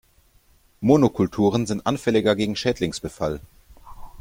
Monokulturen sind anfälliger gegen Schädlingsbefall.